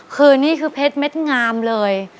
คือนี่คือเพชรเม็ดงามเลย